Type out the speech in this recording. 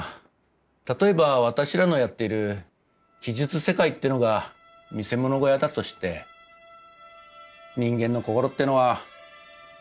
例えば私らのやってる奇術世界ってのが見せ物小屋だとして人間の心ってのは。